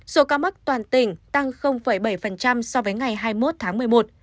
số ca mắc toàn tỉnh tăng bảy so với ngày hai mươi một tháng một mươi một